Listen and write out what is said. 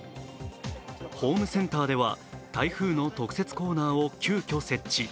ホームセンターでは、台風の特設コーナーを急きょ設置。